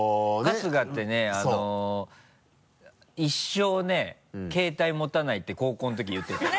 春日ってね一生ね携帯持たないって高校のとき言ってたの。